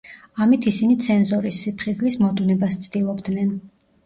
ამით ისინი ცენზორის სიფხიზლის მოდუნებას ცდილობდნენ.